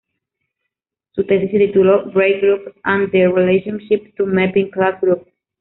Su tesis se tituló "Braid groups and their relationship to mapping class groups".